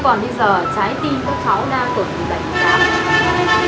còn bây giờ trái tim của cháu đang tuổi bảy mươi tám cũng có sự rung động đối với người khác dưới